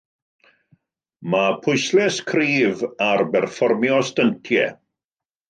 Mae pwyslais cryf ar berfformio styntiau.